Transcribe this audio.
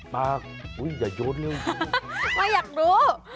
ปากอย่าโยนเลยไม่อยากรู้